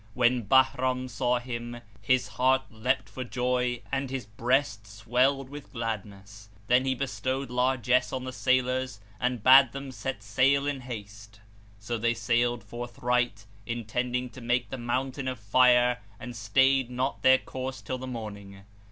When Bahram saw him, his heart leapt for joy and his breast swelled with gladness. Then he bestowed largesse on the sailors and bade them set sail in haste. So they sailed forthright, intending to make the Mountain of Fire and stayed not their course till the morning.